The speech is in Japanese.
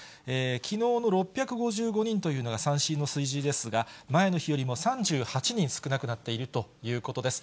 きのうの６５５人というのが最新の数字ですが、前の日よりも３８人少なくなっているということです。